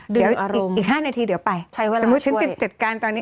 เดี๋ยวอีก๕นาทีเดี๋ยวไปใช้เวลาสมมุติฉันจะจัดการตอนนี้